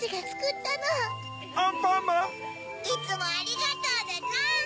いつもありがとうだゾウ！